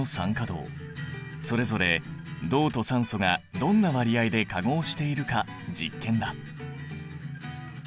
それぞれ銅と酸素がどんな割合で化合しているか実験だ。